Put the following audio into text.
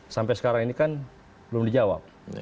sampai sekarang ini kan belum dijawab